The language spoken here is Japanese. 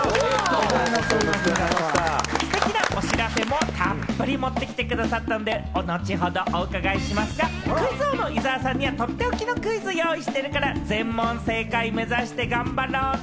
ステキなお知らせもたっぷり持ってきてくださってるんで、後ほどお伺いしますが、クイズ王の伊沢さんにはとっておきのクイズを用意してるから、全問正解目指して頑張ろうね。